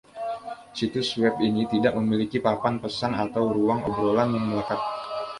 Situs web ini tidak memiliki papan pesan atau ruang obrolan yang melekat.